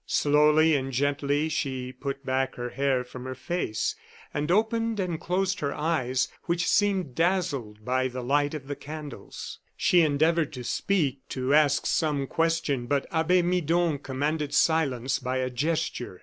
Slowly and gently she put back her hair from her face, and opened and closed her eyes, which seemed dazzled by the light of the candles. She endeavored to speak, to ask some question, but Abbe Midon commanded silence by a gesture.